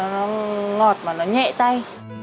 nó ngọt và nó nhẹ tay